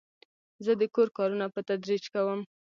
زه د کور کارونه په تدریج کوم.